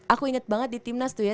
aku inget banget di timnas tuh ya